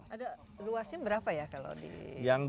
ada luasnya berapa ya kalau di